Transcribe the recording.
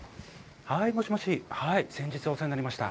はいもしもし先日はお世話になりました。